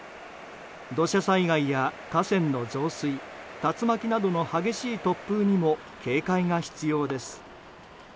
土砂災害や河川の増水竜巻などの激しい突風にも警戒が必要です。